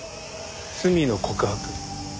罪の告白。